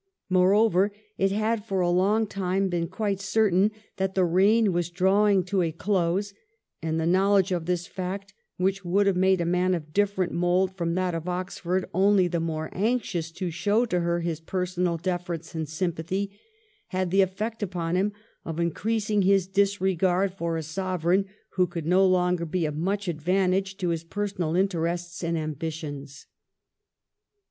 Moreover, it had for a long time been quite certain that the reign was drawing to a close, and the knowledge of this fact, which would have made a man of different mould from that of Oxford only the more anxious to show to her his personal deference and sympathy, had the effect upon him of increasing his disregard for a Sovereign who could no longer be of much advantage to his personal interests and ambitions.